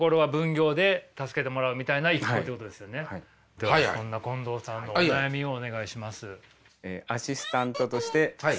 ではそんな近藤さんのお悩みをお願いします。